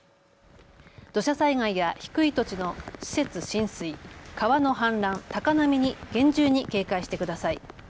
土砂災害や低い土地の施設浸水、川の氾濫、高波に厳重に警戒してください。